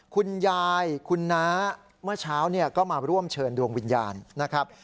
คุณยายคุณน้าเมื่อเช้าก็มาร่วมเชิญดวงวิญญาณนะครับ